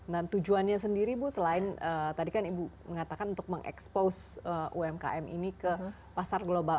dan tujuannya sendiri bu selain tadi kan ibu mengatakan untuk mengexpose umkm ini ke pasar global